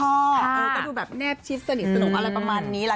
ก็ดูแบบแนบชิดสนิทสนุกอะไรประมาณนี้แหละ